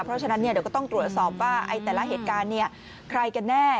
เพราะฉะนั้นเดี๋ยวก็ต้องตรวจสอบว่าแต่ละเหตุการณ์ใครกันแน่